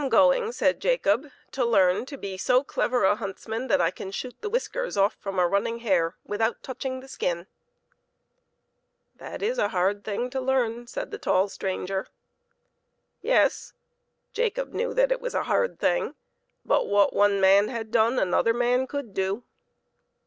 .going/' said Jacob, " to learn to be so clever a huntsman that I can shoot the whisk : eYs ; 6ft 1 'from* a ''running hare without touching the skin." " That is a hard thing to learn," said the tall stranger. Yes; Jacob knew that it was a hard thing; but what one man had done another man could do.